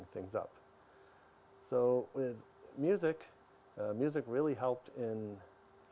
dan juga membuka pintu